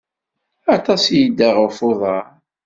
Aṭas i yedda ɣef uḍaṛ.